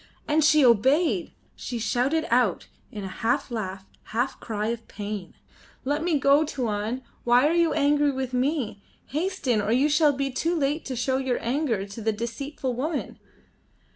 "And she obeyed," she shouted out in a half laugh, half cry of pain. "Let me go, Tuan. Why are you angry with me? Hasten, or you shall be too late to show your anger to the deceitful woman."